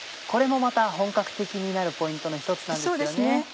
これもまた本格的になるポイントの一つなんですよね。